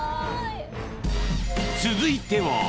［続いては］